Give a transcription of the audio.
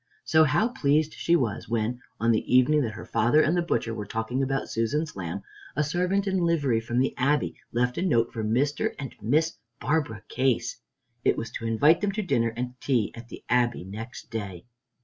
So how pleased she was when, on the evening that her father and the butcher were talking about Susan's lamb, a servant in livery from the Abbey left a note for Mr. and Miss Barbara Case! It was to invite them to dinner and tea at the Abbey next day.